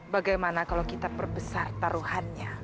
bagaimana kalau kita perbesar taruhannya